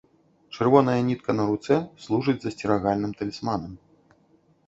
Чырвоная нітка на руцэ служыць засцерагальным талісманам.